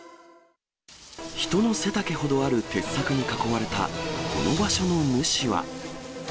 人の背丈ほどある鉄柵に囲まれた、この場所の主は。